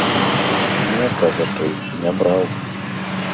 Не, кажа той, не браў.